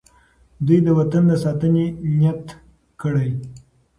دوی د وطن د ساتنې نیت کړی.